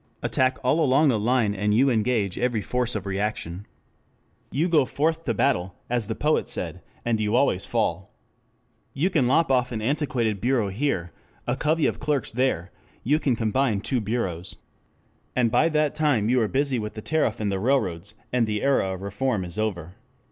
Attack all along the line and you engage every force of reaction. You go forth to battle, as the poet said, and you always fall. You can lop off an antiquated bureau here, a covey of clerks there, you can combine two bureaus. And by that time you are busy with the tariff and the railroads, and the era of reform is over.